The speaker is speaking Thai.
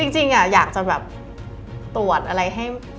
จริงอยากจะแบบตรวจอะไรให้